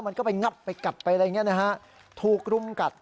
มันก็ไปงับไปกัดไปอะไรอย่างนี้นะฮะถูกรุมกัด